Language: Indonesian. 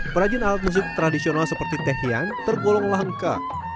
perajin alat musik tradisional seperti tehian tergolong langka